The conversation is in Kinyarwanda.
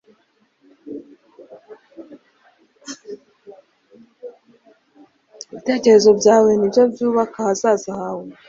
ibitekerezo byawe nibyo byubaka ahazaza hawe